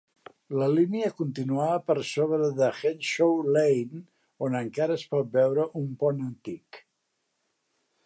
La línia continuava per sobre de Henshaw Lane, on encara es pot veure un pont antic.